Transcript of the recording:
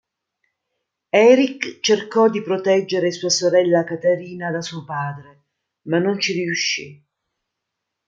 Erik cercò di proteggere sua sorella Katarina da suo padre ma non ci riuscì.